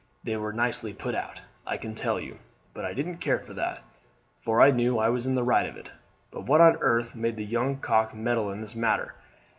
They were nicely put out, I can tell you; but I didn't care for that, for I knew I was in the right of it. But what on earth made the young cock meddle in this matter?